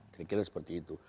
kira kira seperti itu